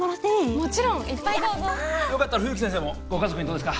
もちろんいっぱいどうぞよかったら冬木先生もご家族にどうですか？